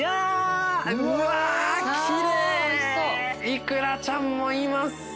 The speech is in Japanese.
イクラちゃんもいます。